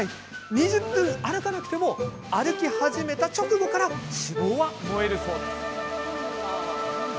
２０分歩かなくても歩き始めた直後から脂肪は燃えるそうです。